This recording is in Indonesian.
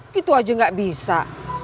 gitu aja gak bisa